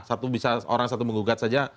satu bisa orang satu menggugat saja